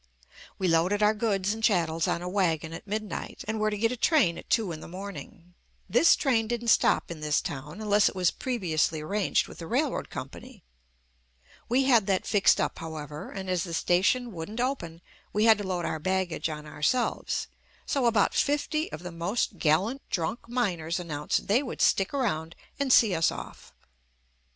We loaded our goods and chattels on a wagon at midnight and were to get a train at two in the morning. This train didn't stop in this town unless it was previously arranged with the railroad company. We had that fixed up, however, and as the station wouldn't open, we had to load our baggage on ourselves, so about fifty of the most gallant drunk miners announced they would stick around and see us off.